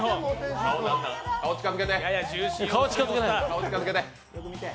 顔近づけて。